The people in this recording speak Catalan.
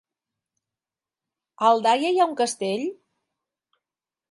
A Aldaia hi ha un castell?